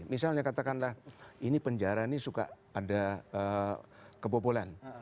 misalnya katakanlah ini penjara ini suka ada kebobolan